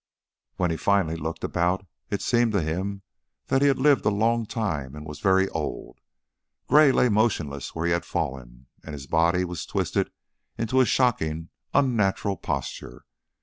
When he finally looked about it seemed to him that he had lived a long time and was very old. Gray lay motionless where he had fallen, and his body was twisted into a shockingly unnatural posture.